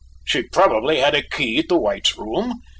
She probably had a key to White's room.